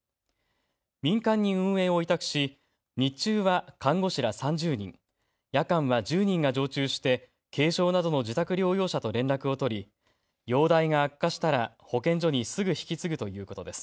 民間に運営を委託し日中は看護師ら３０人、夜間は１０人が常駐して軽症などの自宅療養者と連絡を取り、容体が悪化したら保健所にすぐ引き継ぐということです。